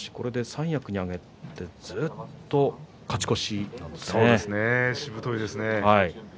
三役に上がってずっと勝ち越しなんですね。